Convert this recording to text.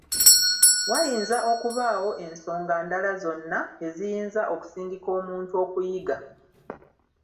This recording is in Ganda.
Wayinza okubaawo ensonga ndala zonna eziyinza okusindika omuntu okuyiga.